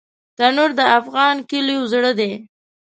تنور د افغان کلیو زړه دی